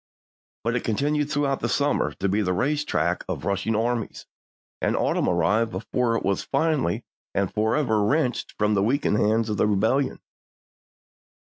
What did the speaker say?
But it continued throughout the summer to be the race track of rushing armies, and autumn arrived before it was finally and forever wrenched from the weakened hands of the Rebellion.